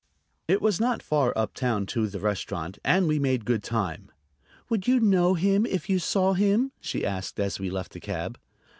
It was not far up town to the restaurant, and we made good time. "Would you know him if you saw him?" she asked as we left the cab.